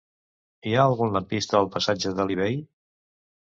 Hi ha algun lampista al passatge d'Alí Bei?